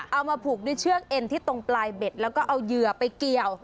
เอามาผูกด้วยเชือกเอ็นที่ตรงปลายเบ็ดแล้วก็เอาเหยื่อไปเกี่ยว